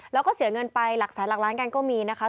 แล้วก็เสียเงินไปหลักแสนหลักล้านกันก็มีนะคะ